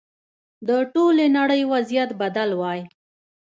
د ټولې نړۍ وضعیت بدل وای.